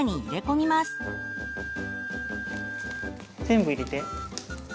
全部入れて。